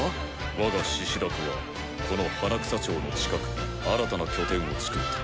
我が獅子だこはこの花草町の近くに新たな拠点を作った。